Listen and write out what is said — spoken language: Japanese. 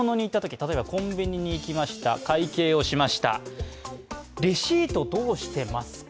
コンビニに行きました、会計をしました、レシートどうしてますか？